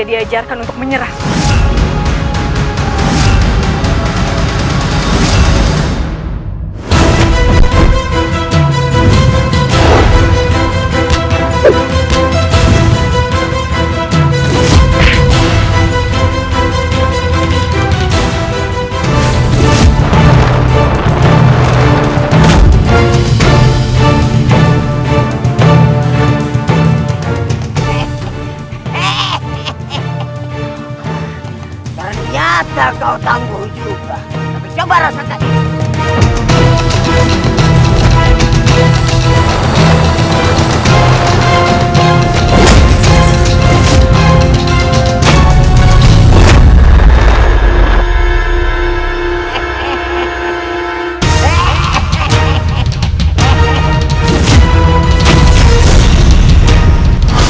hai hehehe hehehe ternyata kau tangguh juga tapi coba rasanya